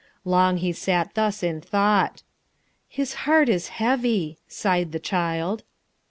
Long he sat thus in thought. "His heart is heavy," sighed the child.